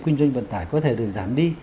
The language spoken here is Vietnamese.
quyên doanh vận tải có thể được giảm đi